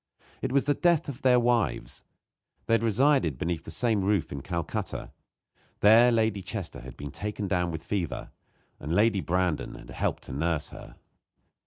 It was the death of their wives. They had resided beneath the same roof in Calcutta. There Lady Chester had been taken down with fever, and Lady Brandon had helped to nurse her.